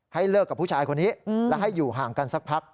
เลิกกับผู้ชายคนนี้และให้อยู่ห่างกันสักพัก